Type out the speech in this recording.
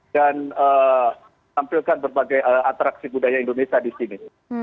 dan tampilkan berbagai atraksi budaya indonesia di sini